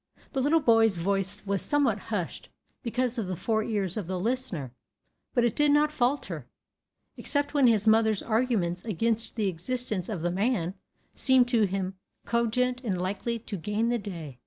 The little boy's voice was somewhat hushed, because of the four ears of the listener, but it did not falter, except when his mother's arguments against the existence of the man seemed to him cogent and likely to gain the day.